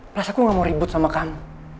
perasaan aku gak mau ribut sama kamu